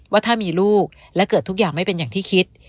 ว่าถ้ามีลูกและเกิดทุกอย่างไม่เป็นอย่างที่คิด